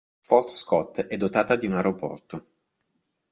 Fort Scott è dotata di un aeroporto.